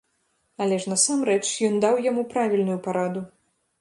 Але ж насамрэч ён даў яму правільную параду.